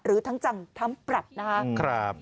หรือทั้งจำทั้งปรับนะครับ